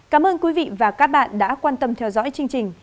cảm ơn quý vị và các bạn đã quan tâm theo dõi chương trình